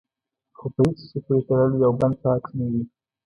خو په هېڅ شي پورې تړلی او بند پاتې نه وي.